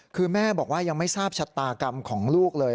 คือแม่บอกว่ายังไม่ทราบชะตากรรมของลูกเลย